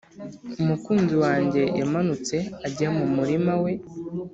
Umukunzi wanjye yamanutse ajya mu murima we